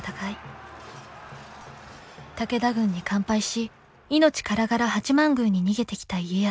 武田軍に完敗し命からがら八幡宮に逃げてきた家康。